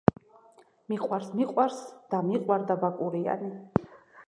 მიყვარს მიყვარს და მიყვარდა ბაკურიანი